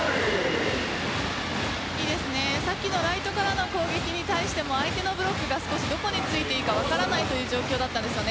さっきのライトからの攻撃に対しても相手のブロックが少しどこについていいか分からない状況だったんです。